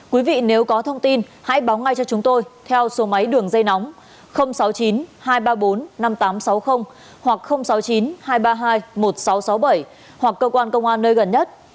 quý vị nếu có thông tin hãy báo ngay cho chúng tôi theo số máy đường dây nóng sáu mươi chín hai trăm ba mươi bốn năm nghìn tám trăm sáu mươi hoặc sáu mươi chín hai trăm ba mươi hai một nghìn sáu trăm sáu mươi bảy hoặc cơ quan công an nơi gần nhất